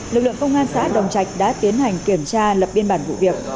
lực lượng công an xã đồng trạch đã tiến hành kiểm tra lập biên bản vụ việc